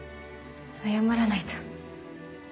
謝らないと。